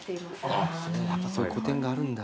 やっぱそういう個展があるんだ。